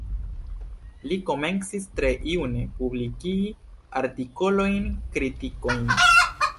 Li komencis tre june publikigi artikolojn, kritikojn.